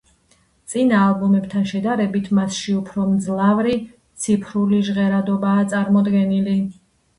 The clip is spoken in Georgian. წინა ალბომებთან შედარებით მასში უფრო მძლავრი ციფრული ჟღერადობაა წარმოდგენილი.